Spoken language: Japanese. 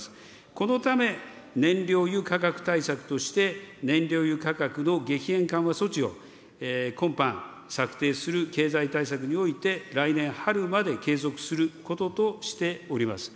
このため、燃料油価格対策として、燃料油価格の激変緩和措置を今般、策定する経済対策において、来年春まで継続することとしております。